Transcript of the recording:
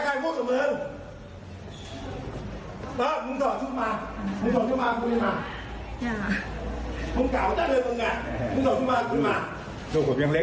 รอสองชะโพงอ่ะเนี่ย